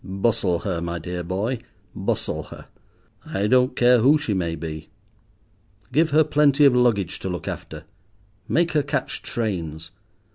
Bustle her, my dear boy, bustle her: I don't care who she may be. Give her plenty of luggage to look after; make her catch trains.